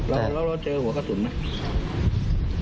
แล้วเราเจอหัวกระสุนไหม